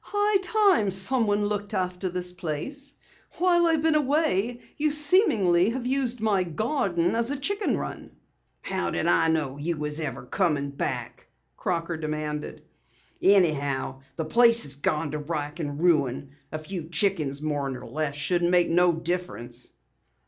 "High time someone looked after this place! While I've been away, you seemingly have used my garden as a chicken run!" "How did I know you was ever coming back?" Crocker demanded. "Anyhow, the place has gone to wrack and ruin. A few chickens more nor less shouldn't make no difference."